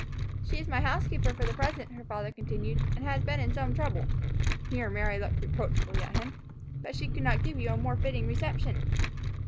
"She is my housekeeper for the present," her father continued, "and has been in some trouble" (here Mary looked reproachfully at him), "that she could not give you a more fitting reception."